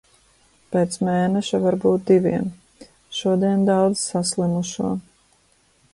Pēc mēneša, varbūt diviem. Šodien daudz saslimušo.